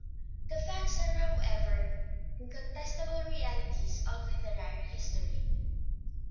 The facts are, however, incontestable realities of literary history.